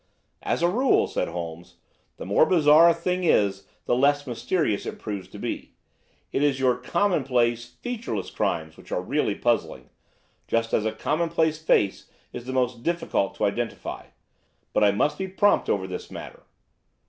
"As a rule," said Holmes, "the more bizarre a thing is the less mysterious it proves to be. It is your commonplace, featureless crimes which are really puzzling, just as a commonplace face is the most difficult to identify. But I must be prompt over this matter."